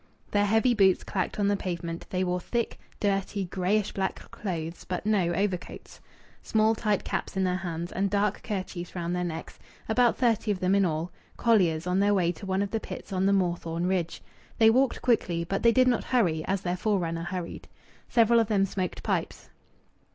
Their heavy boots clacked on the pavement. They wore thick, dirty greyish black clothes, but no overcoats; small tight caps in their hands, and dark kerchiefs round their necks: about thirty of them in all, colliers on their way to one of the pits on the Moorthorne ridge. They walked quickly, but they did not hurry as their forerunner hurried. Several of them smoked pipes.